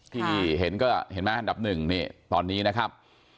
ที่เห็นก็เห็นไหมอันดับหนึ่งนี่ตอนนี้นะครับ